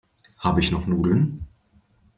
Habe ich noch Nudeln?